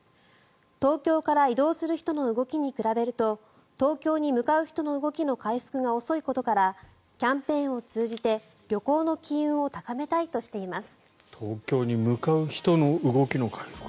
東京から移動する人の動きに比べると東京に向かう人の動きの回復が遅いことからキャンペーンを通じて旅行の機運を高めたいとしています。